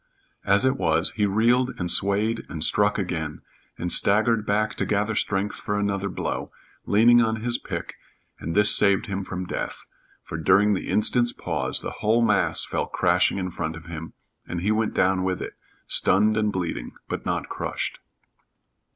As it was, he reeled and swayed and struck again, and staggered back to gather strength for another blow, leaning on his pick, and this saved him from death; for, during the instant's pause, the whole mass fell crashing in front of him, and he went down with it, stunned and bleeding, but not crushed.